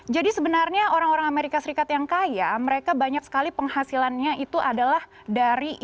jadi sebenarnya orang orang amerika serikat yang kaya mereka banyak sekali penghasilannya itu adalah dari investasi